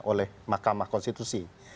oleh makamah konstitusi